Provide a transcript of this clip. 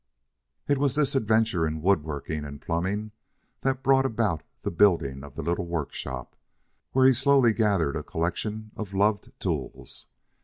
It was this adventure in wood working and plumbing that brought about the building of the little workshop, where he slowly gathered a collection of loved tools.